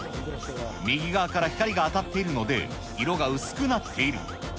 右側から光が当たっているので、色が薄くなっている。